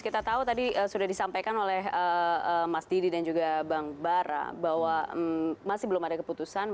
kita tahu tadi sudah disampaikan oleh mas didi dan juga bang bara bahwa masih belum ada keputusan